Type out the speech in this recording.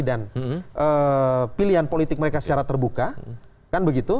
dan pilihan politik mereka secara terbuka kan begitu